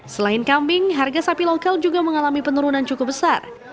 selain kambing harga sapi lokal juga mengalami penurunan cukup besar